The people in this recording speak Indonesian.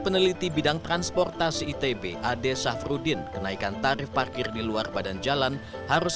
peneliti bidang transportasi itb ade safrudin kenaikan tarif parkir di luar badan jalan harus